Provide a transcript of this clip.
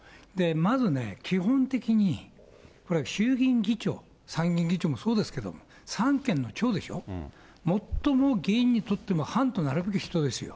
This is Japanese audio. まず基本的に、衆議院議長、参議院議長もそうですけれども、三権の長でしょ、最も議員にとっても範となるべき人ですよ。